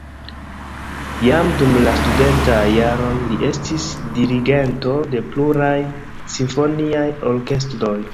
Jam dum la studentaj jaroj li estis dirigento de pluraj simfoniaj orkestroj.